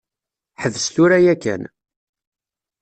Ḥbes tura yakan.